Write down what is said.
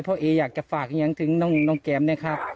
เพราะเออยากจะฝากอย่างถึงน้องแก๋มนะครับ